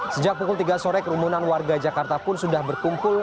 sejak pukul tiga sore kerumunan warga jakarta pun sudah berkumpul